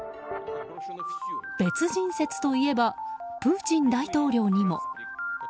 別人説といえばプーチン大統領にも。